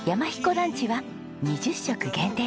ランチは２０食限定です。